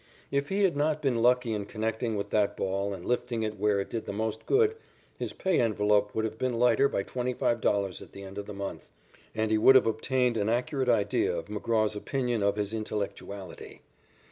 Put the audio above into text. If he had not been lucky in connecting with that ball and lifting it where it did the most good, his pay envelope would have been lighter by $25 at the end of the month, and he would have obtained an accurate idea of McGraw's opinion of his intellectuality.